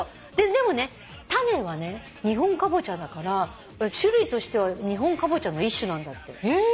でもね種はね日本カボチャだから種類としては日本カボチャの一種なんだって。